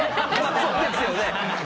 そうですよね。